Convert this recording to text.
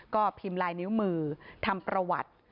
ก็พิมพ์ลายนิ้วมือทำประวัติ